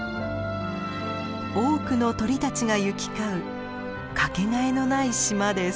多くの鳥たちが行き交うかけがえのない島です。